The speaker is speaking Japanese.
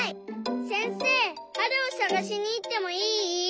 せんせいはるをさがしにいってもいい？